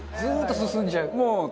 ずーっと進んじゃう。